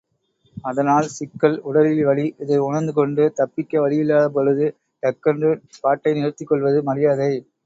அதனால் சிக்கல், உடலில் வலி, இதை உணர்ந்து கொண்டு, தப்பிக்க வழியில்லாதபொழுது, டக்கென்று பாட்டை நிறுத்திக்கொள்வது மரியாதை.